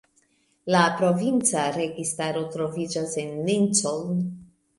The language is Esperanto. La provinca registaro troviĝas en Lincoln.